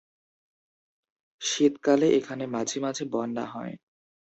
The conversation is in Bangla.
শীতকালে এখানে মাঝে মাঝে বন্যা হয়।